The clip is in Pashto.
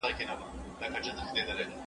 د څېړونکي زحمت له لنډي لاري غوره وي.